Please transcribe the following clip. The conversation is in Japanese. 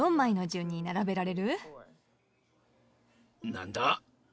何だ？